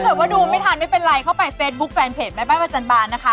ว่าดูไม่ทันไม่เป็นไรเข้าไปเฟซบุ๊คแฟนเพจแม่บ้านประจันบาลนะคะ